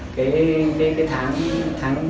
cái cái tháng